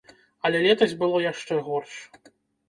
Але летась было яшчэ горш.